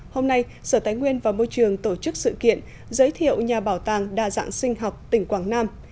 hôm nay sở tài nguyên và môi trường tổ chức sự kiện giới thiệu nhà bảo tàng đa dạng sinh học tỉnh quảng nam